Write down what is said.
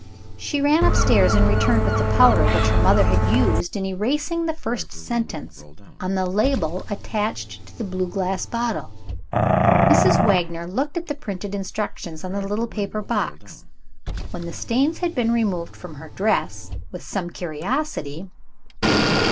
She ran upstairs, and returned with the powder which her mother had used, in erasing the first sentences on the label attached to the blue glass bottle. Mrs. Wagner looked at the printed instructions on the little paper box, when the stains had been removed from her dress, with some curiosity.